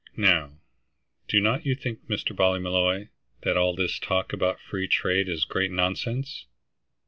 Now, do not you think, Mr. Ballymolloy, that all this talk about free trade is great nonsense?"